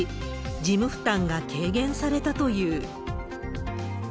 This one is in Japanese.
事務負担が軽減されたという。